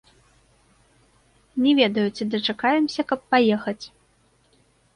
Не ведаю, ці дачакаемся, каб паехаць.